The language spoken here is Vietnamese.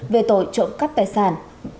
về tội trộm cắt tài sản